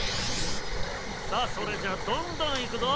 さあそれじゃあどんどんいくぞ。